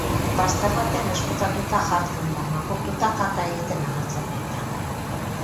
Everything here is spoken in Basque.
Bazter batean ezkutatuta jartzen da, makurtuta kaka egiten agertzen baita.